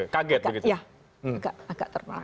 kaget begitu iya